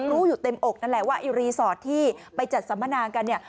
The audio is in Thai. รู้อยู่เต็มอกนั่นแหละว่าไอ้รีสอร์ทที่ไปจัดสัมมนากันเนี่ย